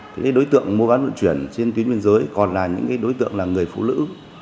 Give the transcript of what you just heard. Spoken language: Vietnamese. thì cái đối tượng mua bán vận chuyển trên tuyến biên giới còn là những đối tượng là người phụ nữ